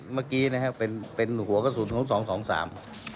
เมื่อกี้นะครับเป็นเป็นหัวกระสุนสองสองสาม